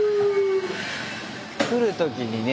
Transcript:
来る時にね